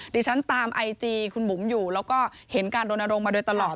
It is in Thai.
ดิฉันตามไอจีคุณบุ๋มอยู่แล้วก็เห็นการรณรงค์มาโดยตลอด